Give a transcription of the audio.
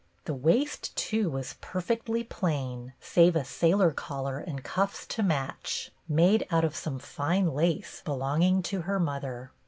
The waist too was perfectly plain, save a sailor collar and cuffs to match, made out of some fine lace belonging to her mother.